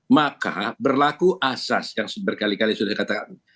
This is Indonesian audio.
maka berlaku asas yang berkali kali sudah saya katakan